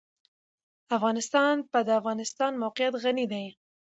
افغانستان په د افغانستان د موقعیت غني دی.